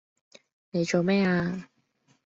你做咩呀？